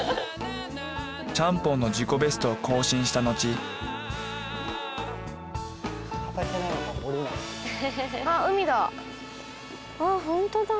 ちゃんぽんの自己ベストを更新したのちあ海だ。